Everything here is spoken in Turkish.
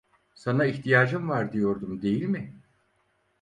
Sana ihtiyacım var diyordum değil mi?